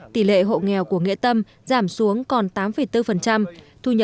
tỷ lệ hộ nghèo của nghĩa tâm giảm xuống còn tám bốn